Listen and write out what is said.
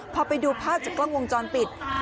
พอไปดูภาพจากกล้องวงจรติฤทธิ์